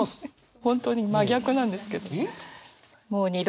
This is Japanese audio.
本当に真逆なんですけど。